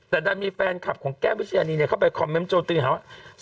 แต่ได้มีแฟนคลับของแก้วพิชาณีเข้าไปคอมเม้นต์โจทย์ถึงแหละว่า